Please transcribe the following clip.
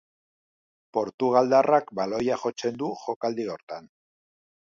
Portugaldarrak baloia jotzen du jokaldi hortan.